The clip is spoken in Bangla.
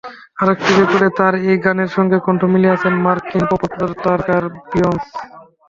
আরেকটি রেকর্ডে তাঁর এই গানের সঙ্গে কণ্ঠ মিলিয়েছেন মার্কিন পপতারকা বিয়ন্স।